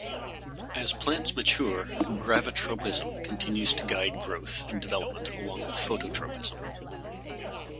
As plants mature, gravitropism continues to guide growth and development along with phototropism.